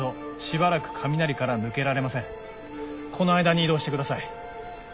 この間に移動してください。